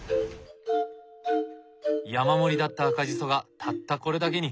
山盛りだった赤じそがたったこれだけに。